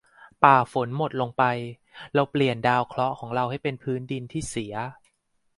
ป่าฝนหมดลงไป เราเปลี่ยนดาวเคราะห์ของเราให้เป็นพื้นดินที่เสีย